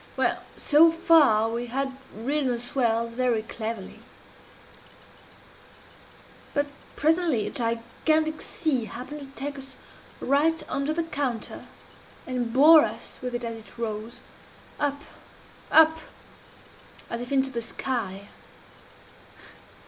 "Well, so far we had ridden the swells very cleverly; but presently a gigantic sea happened to take us right under the counter, and bore us with it as it rose up up as if into the sky.